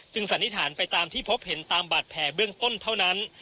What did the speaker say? สันนิษฐานไปตามที่พบเห็นตามบาดแผลเบื้องต้นเท่านั้น